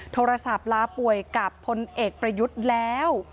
โทรศัพท์ลาป่วยกับพลเอกประยุทธ์แล้ว